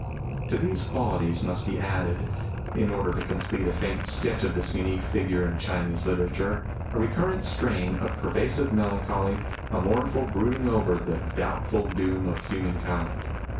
^ To these qualities must be added, in order to complete a faint sketch of this unique figure in Chinese literature, a recurrent strain of pervasive melancholy, a mournful brooding over "the doubtful doom of human kind."